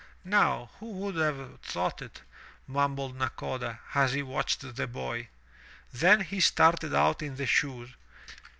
"Now who would have thought it?" mumbled Nakoda, as he watched the boy. Then he started out in the shoes.